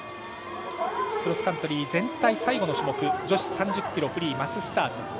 クロスカントリー全体最後の種目女子３０ｋｍフリーマススタート。